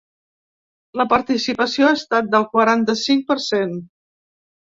La participació ha estat del quaranta-cinc per cent.